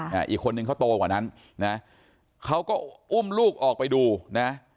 อีกคนนึงเขาโตกว่านั้นนะเขาก็อุ้มลูกออกไปดูนะ